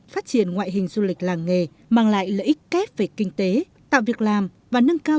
phát triển ngoại hình du lịch làng nghề mang lại lợi ích kép về kinh tế tạo việc làm và nâng cao